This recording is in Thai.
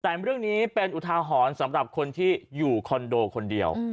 แต่เรื่องนี้เป็นอุทาหรณ์สำหรับคนที่อยู่คอนโดคนเดียว